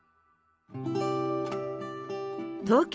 東京